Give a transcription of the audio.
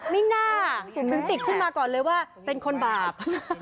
ไม่น่าติดขึ้นมาก่อนเลยว่าเป็นคนบาป